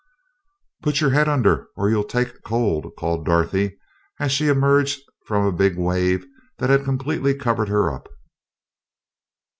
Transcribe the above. "Put your head under or you'll take cold," called Dorothy, as she emerged from a big wave that had completely covered her up.